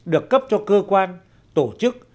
được cấp cho cơ quan tổ chức